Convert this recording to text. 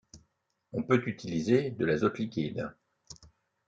On peut ainsi utiliser de l'azote liquide.